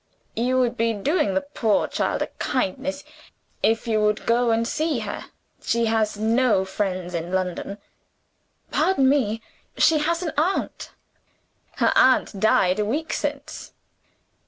"You would be doing the poor child a kindness, if you would go and see her. She has no friends in London." "Pardon me she has an aunt." "Her aunt died a week since."